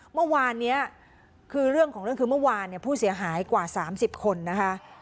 เมื่อวานนี้คือเรื่องของเรื่องคือเมื่อวานเนี่ยผู้เสียหายกว่า๓๐คนนะคะ